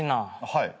はい。